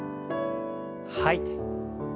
吐いて。